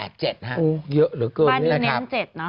เยอะเหลือเกินนะครับ